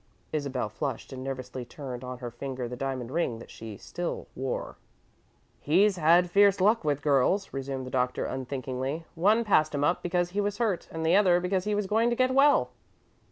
Isabel flushed and nervously turned on her finger the diamond ring that she still wore. "He's had fierce luck with girls," resumed the Doctor, unthinkingly. "One passed him up because he was hurt, and the other because he was going to get well."